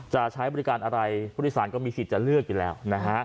จะใช้บริการอะไรผู้โดยสารก็มีสิทธิ์จะเลือกอยู่แล้วนะฮะ